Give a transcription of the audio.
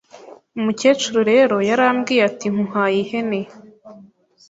Umukecuru rero yarambwiye ati “Nkuhaye ihene